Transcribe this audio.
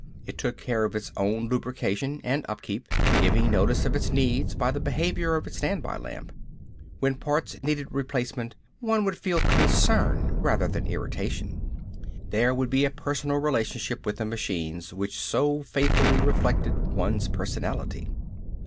It took care of its own lubrication and upkeep giving notice of its needs by the behavior of its standby lamp. When parts needed replacement one would feel concern rather than irritation. There would be a personal relationship with the machines which so faithfully reflected one's personality.